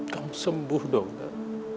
kamu sembuh dong nak